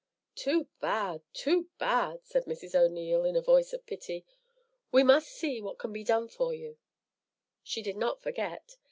"Too bad, too bad," said Mrs. O'Neil, in a voice of pity. "We must see what can be done for you." She did not forget.